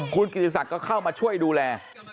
คุณกิติศักดิ์ก็เข้ามาช่วยดูแล